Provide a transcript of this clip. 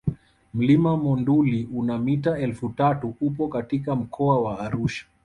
Mlima Monduli una mita elfu tatu upo katika mkoa wa Arusha